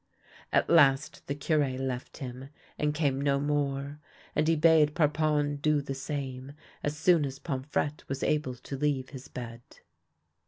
At last the Cure left him, and came no more, and he bade Parpon do the same as soon as Pomfrette was able to leave his bed.